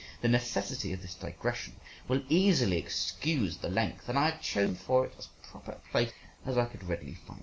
The necessity of this digression will easily excuse the length, and I have chosen for it as proper a place as I could readily find.